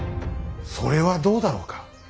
それはどうだろうか。